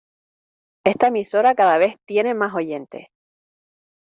Esta emisora cada vez tiene más oyentes.